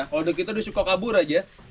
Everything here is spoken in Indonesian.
kalau kita sudah suka kabur saja